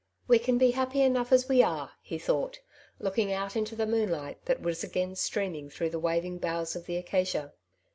'^ We can be happy enough as we are,*^ he thought,* looking out into the moonlight that was again stream ing through the waving boughs of the acacia.